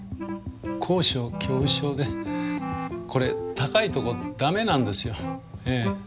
高所恐怖症でこれ高いとこだめなんですよ。